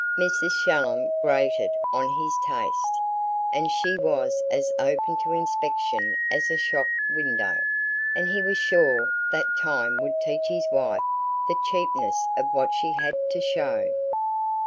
Mrs. Shallum grated on his taste, but she was as open to inspection as a shop window, and he was sure that time would teach his wife the cheapness of what she had to show.